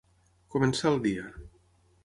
Començar el dia.